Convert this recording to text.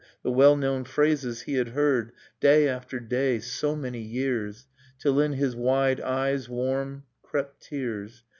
The well known phrases he had heard, Day after day, so many years; Till in his wide eyes, warm, crept tears